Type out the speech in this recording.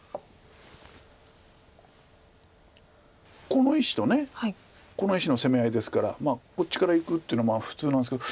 この石とこの石の攻め合いですからこっちからいくっていうのは普通なんですけど。